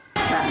bạn về đồn đồn